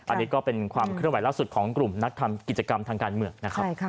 อันนี้ก็เป็นความเวลาสุดของกลุ่มนักทำกิจกรรมทางการเมือง